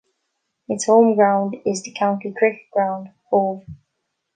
Its home ground is the County Cricket Ground, Hove.